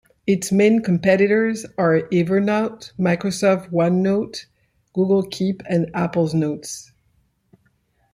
Its main competitors are Evernote, Microsoft OneNote, Google Keep and Apple's Notes.